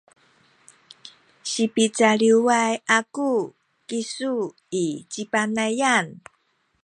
sipicaliway aku kisu i ci Panayan